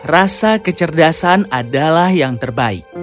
rasa kecerdasan adalah yang terbaik